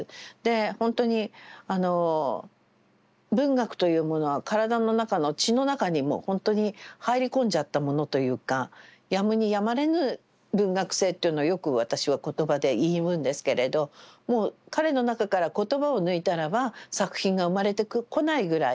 ほんとにあの文学というものは体の中の血の中にもほんとに入り込んじゃったものというかやむにやまれぬ文学性っていうのをよく私は言葉で言うんですけれどもう彼の中から言葉を抜いたらば作品が生まれてこないぐらい